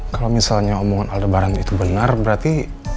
kalo misalnya omongan aldebaran itu benar berarti